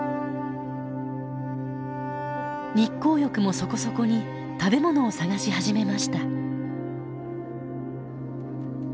日光浴もそこそこに食べ物を探し始めました。